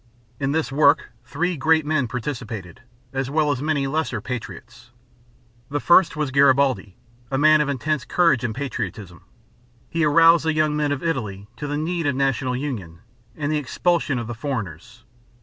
In this work three great men participated, as well as many lesser patriots. The first was Garibal´di, a man of intense courage and patriotism. He aroused the young men of Italy to the need of national union and the expulsion of the foreigners.